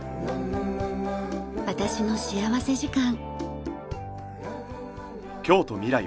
『私の幸福時間』。